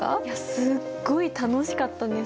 すっごい楽しかったです。